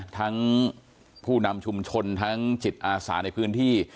ทั้งผู้นำชุมชนทั้งจิตอาสาในพื้นที่